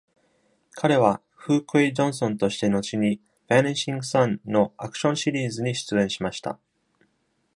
彼は、フー・クェイ・ジョンソンとして後に「Vanishing Son」のアクションシリーズに出演しました。